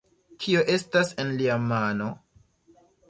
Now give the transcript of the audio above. Kio estas en lia mano?